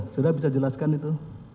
saudara bisa jelaskan itu